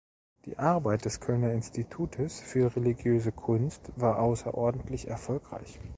Die Arbeit des Kölner Institutes für religiöse Kunst war außerordentlich erfolgreich.